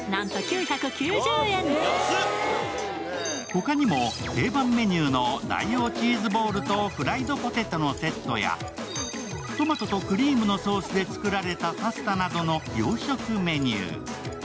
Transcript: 他にも定番メニューの大王チーズボールとフライドポテトのセットやトマトとクリームのソースで作られたパスタなどの洋食メニュー。